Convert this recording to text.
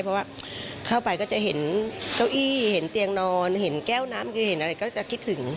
เพราะว่าเข้าไปก็จะเห็นเก้าอี้เห็นเตียงนอนเห็นแก้วน้ำคือเห็นอะไรก็จะคิดถึง